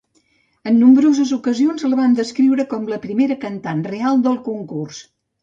En nombroses ocasions la van descriure com "la primera cantant" real "del concurs".